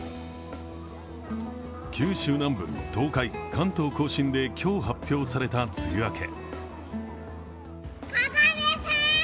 九州南部、東海、関東甲信で今日発表された梅雨明け。